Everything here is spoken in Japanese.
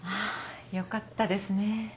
よかったですね。